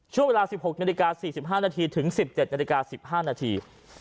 ช่วงเวลา๑๖นาฬิกา๔๕นาทีถึง๑๗นาฬิกา๑๕นาที